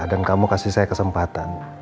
dan kamu kasih saya kesempatan